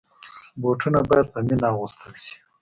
بوټونه باید په مینه اغوستل شي.